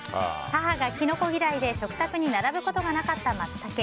母がキノコ嫌いで食卓に並ぶことがなかったマツタケ。